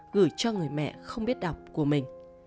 gửi cho người mẹ không biết đọc của mình